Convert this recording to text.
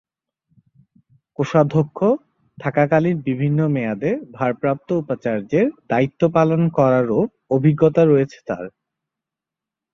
কোষাধ্যক্ষ থাকাকালীন বিভিন্ন মেয়াদে ভারপ্রাপ্ত উপাচার্যের দায়িত্ব পালন করারও অভিজ্ঞতা রয়েছে তার।